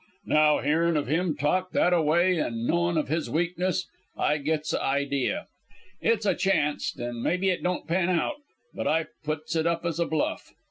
"Now, hearin' of him talk that a way, an' a knowin' of his weakness, I gits a idea. It's a chanst and mebbee it don't pan out, but I puts it up as a bluff.